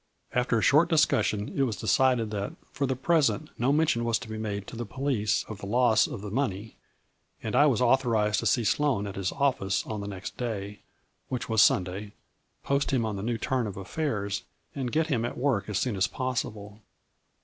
After a short discussion, it was decided that, for the present, no mention was to be made to the police of the loss of the money, and I was authorized to see Sloane at his office on the next day, which was Sunday, post him on the new turn of affairs, and get him at work as soon as possible.